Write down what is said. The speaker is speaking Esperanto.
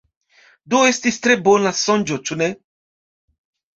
Do estis tre bona sonĝo, ĉu ne?